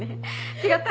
違った。